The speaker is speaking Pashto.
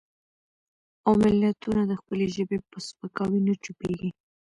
او ملتونه د خپلې ژبې په سپکاوي نه چوپېږي.